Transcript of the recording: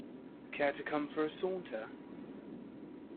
Care to come for a saunter?